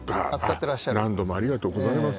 そっか何度もありがとうございます